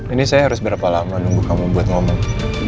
ini saya harus berapa lama nunggu kamu buat ngomong